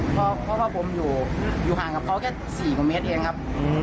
เพราะว่าผมอยู่ห่างกับเขาแค่๔กว่าเมตรเองครับ